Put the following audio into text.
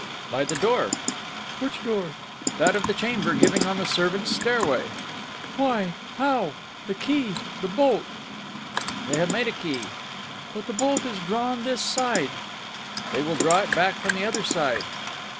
"By the door." "Which door?" "That of the chamber giving on the servants' stair way." "Why, how? The key! The bolt!" "They have made a key." "But the bolt is drawn this side." "They will draw it back from the other side."